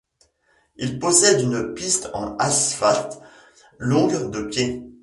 Il possède une piste en asphalte longue de pieds.